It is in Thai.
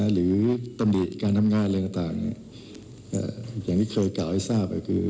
หรือตำหนิการทำงานอะไรต่างอย่างที่เคยกล่าวให้ทราบก็คือ